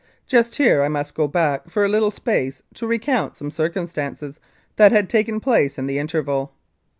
Just here I must go back for a little space to recount some circumstances that had taken place in the interval.